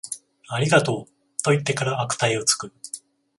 ありがとう、と言ってから悪態をつく